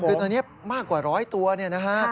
คือตอนนี้มากกว่า๑๐๐ตัวนะครับ